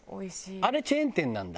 あれチェーン店なんだ？